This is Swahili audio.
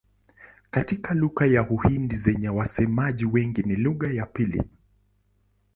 Kati ya lugha za Uhindi zenye wasemaji wengi ni lugha ya pili.